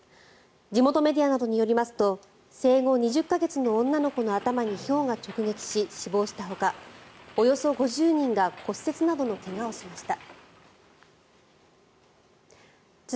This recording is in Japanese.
地元メディアなどによりますと生後２０か月の女の子の頭にひょうが直撃し、死亡したほかおよそ５０人が骨折などの怪我をしました。